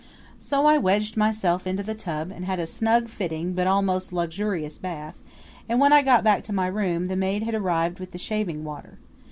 So I wedged myself into the tub and had a snug fitting but most luxurious bath; and when I got back to my room the maid had arrived with the shaving water.